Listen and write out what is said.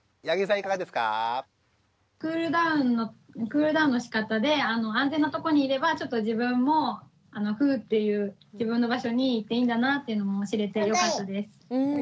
クールダウンのしかたで安全なとこにいればちょっと自分もふっていう自分の場所に行っていいんだなっていうのも知れてよかったです。